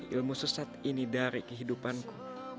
ilmu sesat ini dari kehidupanku